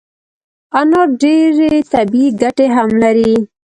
انار ډیري طبي ګټي هم لري